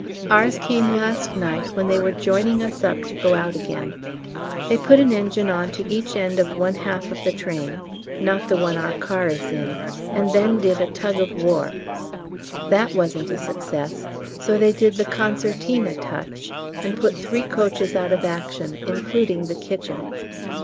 Ours came last night when they were joining us up to go out again. They put an engine on to each end of one half of the train (not the one our car is in), and then did a tug of war. That wasn't a success, so they did the concertina touch, and put three coaches out of action, including the kitchen.